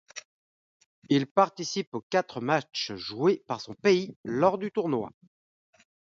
Il participe aux quatre matchs joués par son pays lors du tournoi.